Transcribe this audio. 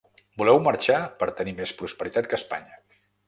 Voleu marxar per tenir més prosperitat que a Espanya.